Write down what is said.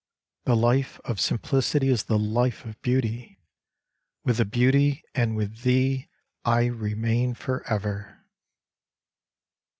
The life of simplicity is the life of beauty : With the beauty and with thee I remain forever.